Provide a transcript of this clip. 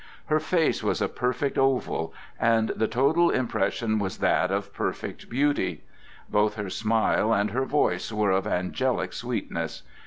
Her face was a perfect oval, and the total impression was that of perfect beauty. Both her smile and her voice were of angelic sweetness.